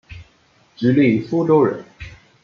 直隶苏州人。